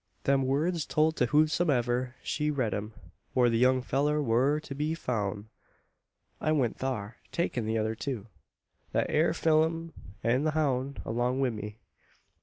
"Them words tolt to whosomedever shed read 'em, whar the young fellur war to be foun'. "I went thar, takin' the other two thet air Pheelum an the houn' along wi' me.